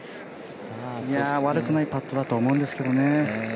悪くないパットだと思うんですけどね。